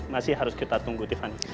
masih harus kita tunggu tiffany